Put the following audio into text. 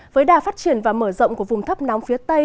với đà phát triển và mở rộng của vùng thấp nóng phía tây